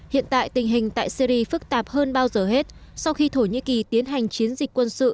hiện tại tình hình tại syri phức tạp hơn bao giờ hết sau khi thổ nhĩ kỳ tiến hành chiến dịch quân sự